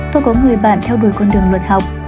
tôi có người bạn theo đuổi con đường luật học